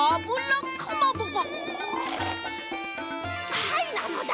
はいなのだ。